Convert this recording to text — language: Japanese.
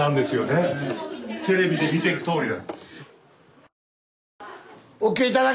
テレビで見てるとおりだ。